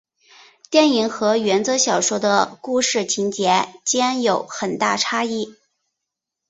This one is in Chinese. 电影和原着小说的故事情节间有很大差异。